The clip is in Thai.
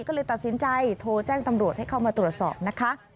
ก็เลยตัดสินใจโทรแจ้งตำรวจให้เข้ามาตรวจสอบนะคะ